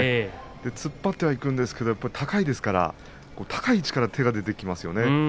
突っ張ってはいくんですけれども高いですから高い位置から手が出てきますね。